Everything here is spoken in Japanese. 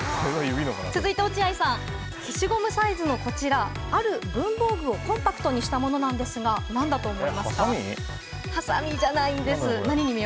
続いて落合さん消しゴムサイズのこちらある文房具をコンパクトにしたものですがハサミ？